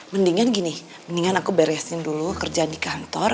mendingan gini mendingan aku beresin dulu kerjaan di kantor